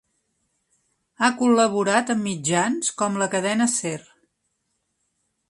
Ha col·laborat amb mitjans com la Cadena Ser.